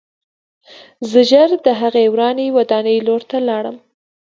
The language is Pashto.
زه ژر د هغې ورانې ودانۍ لور ته لاړم